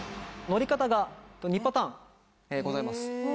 乗り方が２パターンございます。